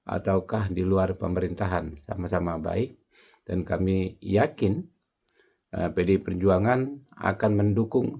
ataukah di luar pemerintahan sama sama baik dan kami yakin pdi perjuangan akan mendukung